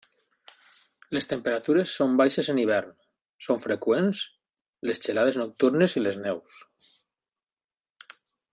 Les temperatures són baixes en hivern, són freqüents les gelades nocturnes i les neus.